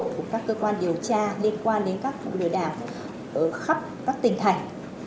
của các cơ quan điều tra liên quan đến các lừa đảo ở khắp các tỉnh thành